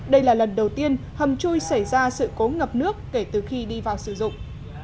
đây là lần đầu tiên hầm chui xảy ra sự cố ngập nước kể từ khi đi vào sử dụng